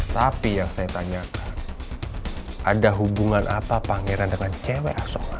tapi yang saya tanyakan ada hubungan apa pangeran dengan cewek asok